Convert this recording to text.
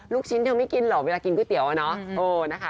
ลูกชิ้นเธอไม่กินหรอเวลากินข้าวสาหรัสเนอะ